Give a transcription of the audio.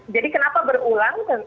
jadi kenapa berulang